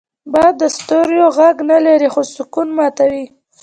باد د ستوریو غږ نه لري، خو سکون ماتوي